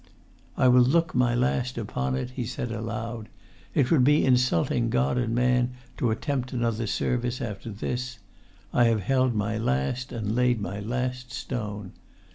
"I will look my last upon it," he said aloud: "it would be insulting God and man to attempt to take another service after this; I have held my last, and laid my last stone.